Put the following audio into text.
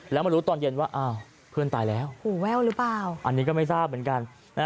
แล้วมารู้ตอนเย็นว่าเพื่อนตายแล้วอันนี้ก็ไม่ทราบเหมือนกัน